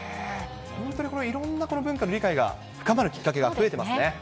本当にこれ、いろんな国の文化が理解が深まるきっかけが増えてますね。